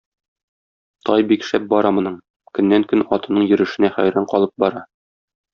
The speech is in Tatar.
Тай бик шәп бара моның: көннән-көн атының йөрешенә хәйран калып бара.